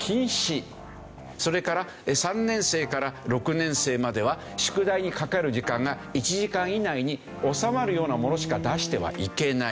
それから３年生から６年生までは宿題にかかる時間が１時間以内に収まるようなものしか出してはいけない。